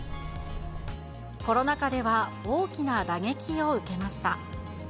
コロナ禍では大きな打撃を受けま